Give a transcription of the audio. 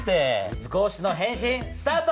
図工室の変身スタート！